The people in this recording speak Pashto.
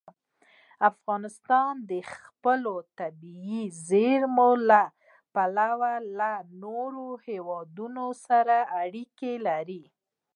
افغانستان د خپلو طبیعي زیرمو له پلوه له نورو هېوادونو سره اړیکې لري.